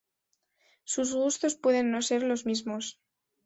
Sus gustos pueden no ser los mismos".